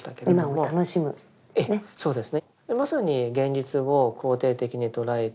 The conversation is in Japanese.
あそうですね。